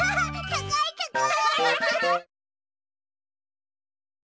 たかいたかい！